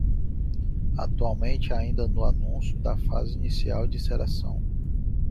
Atualmente ainda no anúncio da fase inicial de seleção